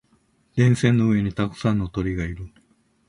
電線の上にたくさんの鳥がいる。